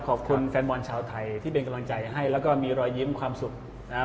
ขอบคุณแฟนบอลชาวไทยที่เป็นกำลังใจให้แล้วก็มีรอยยิ้มความสุขนะครับ